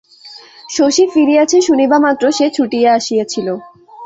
শশী ফিরিয়াছে শুনিবামাত্র সে ছুটিয়া আসিয়াছিল।